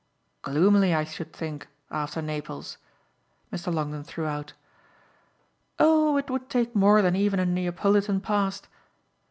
"Gloomily, I should think after Naples?" Mr. Longdon threw out. "Oh it would take more than even a Neapolitan past